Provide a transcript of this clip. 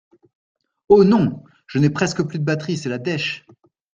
Ho non, je n'ai presque plus de batterie, c'est la dèch.